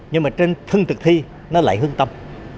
nhưng mà trên thân thực thi nó lại hướng tâm